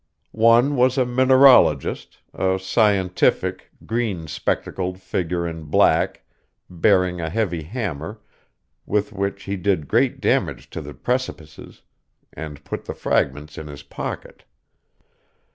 One was a mineralogist, a scientific, green spectacled figure in black, bearing a heavy hammer, with which he did great damage to the precipices, and put the fragments in his pocket.